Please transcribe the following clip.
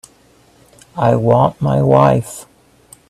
I want my wife.